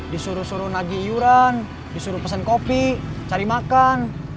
disuruh suruh nagi iuran disuruh pesen kopi cari makan